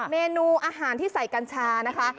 เมนูอาหารที่ใส่กัญชานะคะ